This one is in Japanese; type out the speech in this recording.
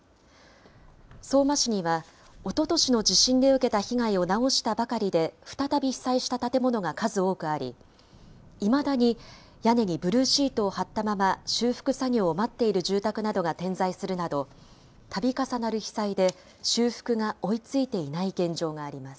相馬市には、おととしの地震で受けた被害を直したばかりで再び被災した建物が数多くなり、いまだに屋根にブルーシートを張ったまま、修復作業を待っている住宅などが点在するなど、たび重なる被災で修復が追いついていない現状があります。